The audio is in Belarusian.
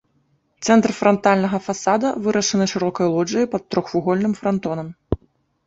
Цэнтр франтальнага фасада вырашаны шырокай лоджыяй пад трохвугольным франтонам.